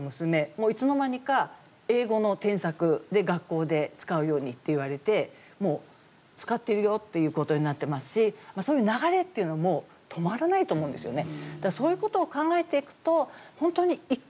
もういつの間にか英語の添削で学校で使うようにっていわれてもう使ってるよっていうことになってますしそういう流れっていうのはもう止まらないと思うんですよね。